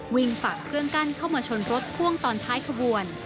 ฝ่าเครื่องกั้นเข้ามาชนรถพ่วงตอนท้ายขบวน